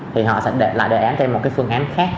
thì họ sẽ lại đề án cho em một cái phương án khác